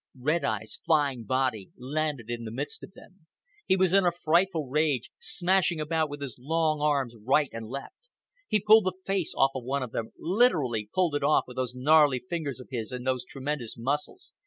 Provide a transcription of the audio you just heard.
Red Eye's flying body landed in the midst of them. He was in a frightful rage, smashing about with his long arms right and left. He pulled the face off one of them, literally pulled it off with those gnarly fingers of his and those tremendous muscles.